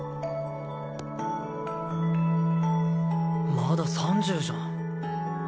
まだ３０じゃん。